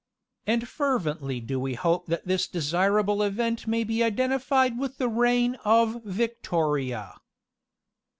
And fervently do we hope that this desirable event may be identified with the reign of VICTORIA.